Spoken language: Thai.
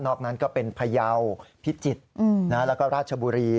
นั้นก็เป็นพยาวพิจิตรแล้วก็ราชบุรี